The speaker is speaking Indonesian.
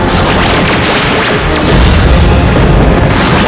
kami akan mengembalikan mereka